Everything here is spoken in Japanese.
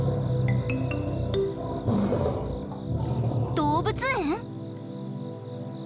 動物園？